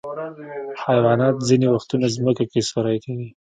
حیوانات ځینې وختونه ځمکه کې سوری کوي.